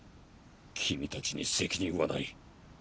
君たちに責任はない。